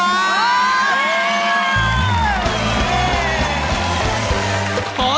สามนาทีครับ